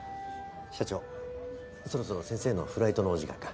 社長そろそろ先生のフライトのお時間が。